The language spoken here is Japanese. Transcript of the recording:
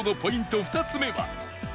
２つ目は